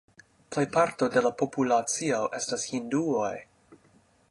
Plejparto de la populacio estas hinduoj.